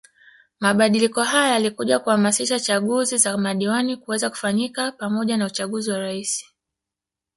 Mabadiliko haya yalikuja kuhamisha chaguzi za madiwani kuweza kufanyika pamoja na uchaguzi wa Rais